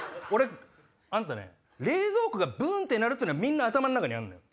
あんたね冷蔵庫がブンって鳴るってのはみんな頭の中にあるのよ。